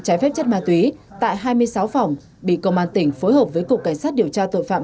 trái phép chất ma túy tại hai mươi sáu phòng bị công an tỉnh phối hợp với cục cảnh sát điều tra tội phạm